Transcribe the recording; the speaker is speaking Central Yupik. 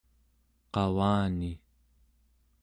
qavani